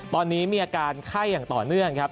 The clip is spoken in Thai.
ตอนนี้มีอาการไข้อย่างต่อเนื่องครับ